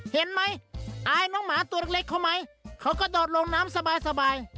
เห็นไหมอายน้องหมาตัวเล็กเขาไหมเขาก็โดดลงน้ำสบาย